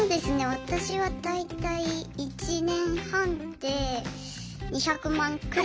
私は大体１年半で２００万くらい。